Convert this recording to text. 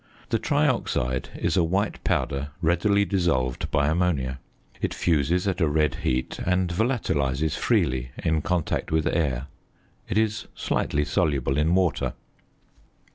The trioxide is a white powder readily dissolved by ammonia. It fuses at a red heat, and volatilises freely in contact with air. It is slightly soluble in water.